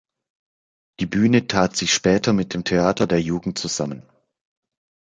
Die Bühne tat sich später mit dem Theater der Jugend zusammen.